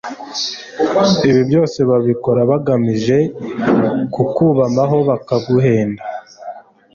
Ibi babikora bagamije kukubamaho bakaguhenda”.